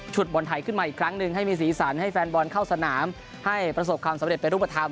บอลไทยขึ้นมาอีกครั้งหนึ่งให้มีสีสันให้แฟนบอลเข้าสนามให้ประสบความสำเร็จเป็นรูปธรรม